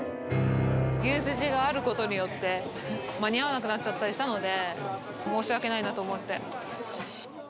牛すじがあることによって、間に合わなくなっちゃったりしたので、申し訳ないなと思って。